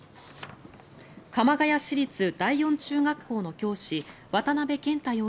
鎌ケ谷市立第四中学校の教師渡邊健太